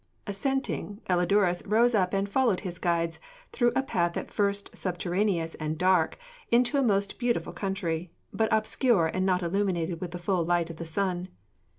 Assenting, Elidurus rose up and 'followed his guides through a path at first subterraneous and dark, into a most beautiful country, but obscure and not illuminated with the full light of the sun.'